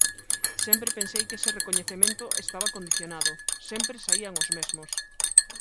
Sempre pensei que ese recoñecemento estaba condicionado, sempre saían os mesmos.